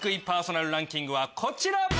パーソナルランキングはこちら！